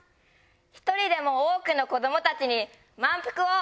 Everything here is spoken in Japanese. １人でも多くの子どもたちに満腹を。